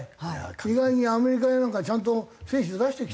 意外にアメリカやなんかちゃんと選手出してきたから。